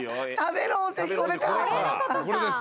これです。